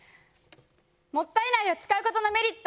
もったい苗を使うことのメリット